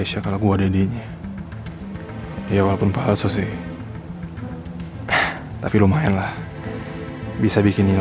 ya walaupun palsu sih tapi lumayan lah bisa bikin